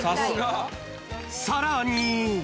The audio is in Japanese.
さらに。